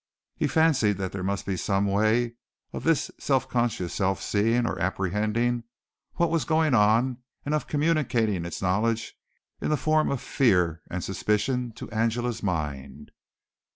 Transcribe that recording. He fancied that there must be some way of this subconscious self seeing or apprehending what was going on and of communicating its knowledge in the form of fear and suspicion to Angela's mind.